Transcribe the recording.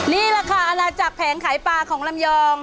นี่แหละค่ะอาณาจักรแผงขายปลาของลำยอง